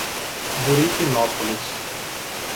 Buritinópolis